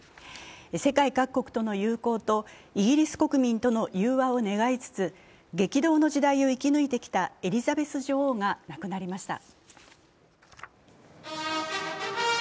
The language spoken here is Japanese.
世界各国との友好とイギリス国民との融和を願いつつ、激動の時代を生き抜いてきたエリザベス女王が亡くなりました。